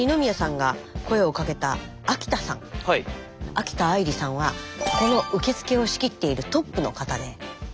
秋田愛梨さんはこの受付を仕切っているトップの方で。